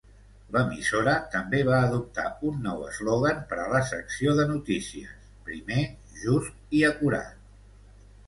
L'emissora també va adoptar un nou eslògan per a la secció de notícies: primer, just i acurat.